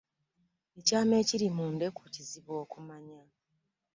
Ekyama ekiri mu ndeku kizibu okumanya.